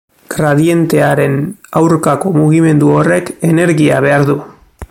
Gradientearen aurkako mugimendu horrek energia behar du.